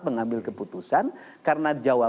mengambil keputusan karena jawa